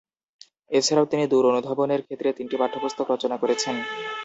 এছাড়াও তিনি দূর অনুধাবনের ক্ষেত্রে তিনটি পাঠ্যপুস্তক রচনা করেছেন।